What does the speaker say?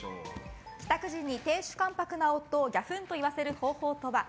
帰宅時に亭主関白な夫をギャフンと言わせる方法とは。